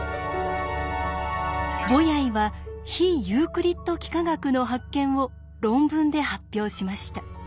ボヤイは非ユークリッド幾何学の発見を論文で発表しました。